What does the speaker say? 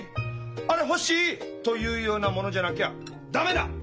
「あれ欲しい！」というようなものじゃなきゃダメだ！